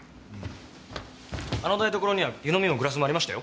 あの台所には湯のみもグラスもありましたよ。